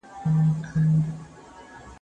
¬ دا ئې گز، دا ئې ميدان.